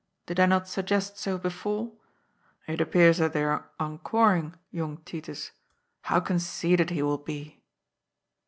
" Did I not suggest so before ? It appears that they are encoring young Titus. How conceited he will be